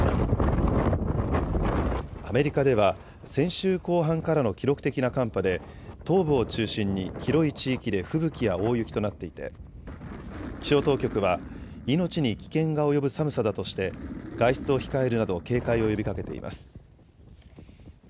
アメリカでは先週後半からの記録的な寒波で東部を中心に広い地域で吹雪や大雪となっていて気象当局は命に危険が及ぶ寒さだとして外出を控えるなど警戒を呼びかけています。